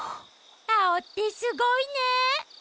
アオってすごいね。